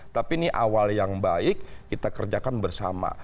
tapi ini awal yang baik kita kerjakan bersama